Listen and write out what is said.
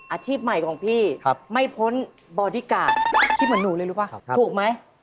อาชีพใหม่ของพี่ไม่พ้นบอดี้การ์ดคิดเหมือนหนูเลยรู้ป่ะถูกไหม